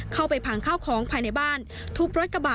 พังข้าวของภายในบ้านทุบรถกระบะ